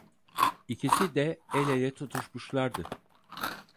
İkisi de el ele tutuşmuşlardı.